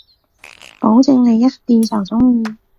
保證你一試就中意